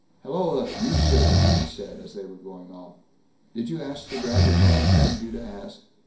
"Halloa, you sir", he said, as they were going off, "did you ask the Dragon what I begged you to ask?"